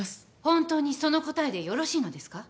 本当にその答えでよろしいのですか？